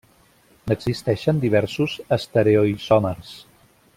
N'existeixen diversos estereoisòmers.